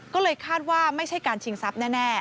ก็เลยคาดว่าไม่ใช่การชิงทรัพย์แน่